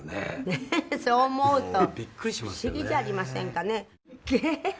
黒柳：そう思うと不思議じゃありませんかね。